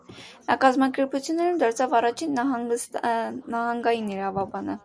Նա կազմակերպությունում դարձավ առաջին նահանգային իրավաբանը։